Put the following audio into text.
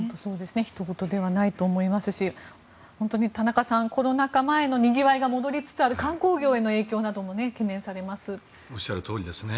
ひと事ではないと思いますし本当に田中さんコロナ禍前のにぎわいが戻りつつある観光業への影響もおっしゃるとおりですね。